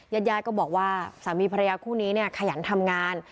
ญาติญาติก็บอกว่าสามีภรรยาคู่นี้เนี่ยขยันทำงาน